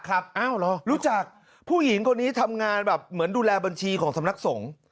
รู้จักผู้หญิงคนนี้ทำงานแบบเหมือนดูแลบัญชีของสำนักสงฆ์